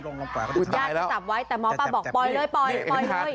ญาติก็จับไว้แต่หมอปลาบอกปล่อยเลยปล่อยปล่อยเลย